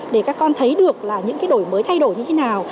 để các con thấy được là những cái đổi mới thay đổi như thế nào